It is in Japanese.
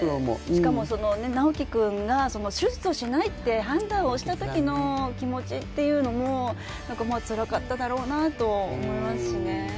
しかも直喜君が手術をしないと判断をしたときの気持ちというのもなんかつらかっただろうなとも思いますしね。